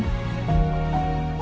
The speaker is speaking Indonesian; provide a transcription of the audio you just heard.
sampai jumpa lagi